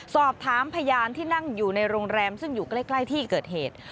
สอบถามพยานที่นั่งอยู่ในโรงแรมซึ่งอยู่ใกล้ที่เกิดเหตุ